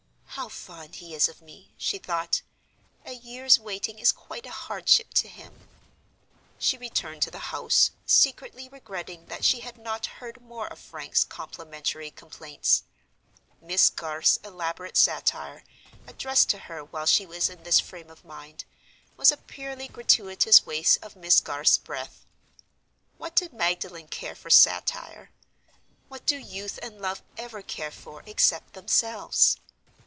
"How fond he is of me!" she thought. "A year's waiting is quite a hardship to him." She returned to the house, secretly regretting that she had not heard more of Frank's complimentary complaints. Miss Garth's elaborate satire, addressed to her while she was in this frame of mind, was a purely gratuitous waste of Miss Garth's breath. What did Magdalen care for satire? What do Youth and Love ever care for except themselves?